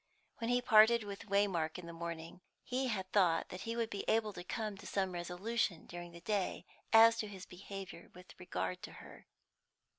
When he parted with Waymark in the morning, he had thought that he would be able to come to some resolution during the day as to his behaviour with regard to her.